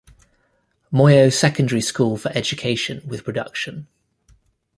Moyo Secondary School for Education with Production.